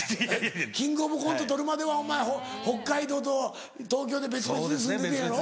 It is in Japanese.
『キングオブコント』取るまではお前北海道と東京で別々に住んでてんやろ。